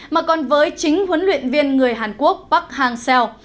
mà còn với chính huấn luyện viên người hàn quốc park hang seo